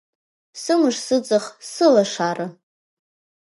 Сымыш-сыҵых сылашара.